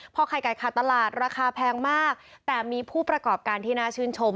พอไข่ไก่ขาดตลาดราคาแพงมากแต่มีผู้ประกอบการที่น่าชื่นชม